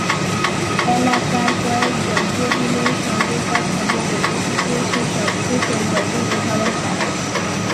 এলাকার কয়েকজন প্রবীণের সঙ্গে কথা বললে অতীতের সেসব প্রসঙ্গ তুলে ধরেন তাঁরা।